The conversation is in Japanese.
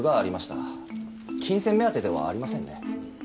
金銭目当てではありませんね。